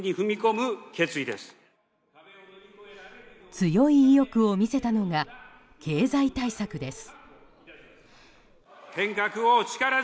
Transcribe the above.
強い意欲を見せたのが経済対策です。